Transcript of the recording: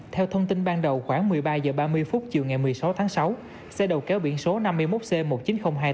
theo thông tin ban đầu khoảng một mươi ba h ba mươi phút chiều ngày một mươi sáu tháng sáu xe đầu kéo biển số năm mươi một c một mươi chín nghìn hai mươi tám